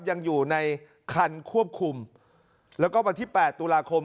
ยังอยู่ในคันควบคุมแล้วก็วันที่๘ตุลาคม